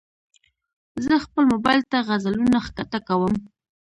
زه خپل موبایل ته غزلونه ښکته کوم.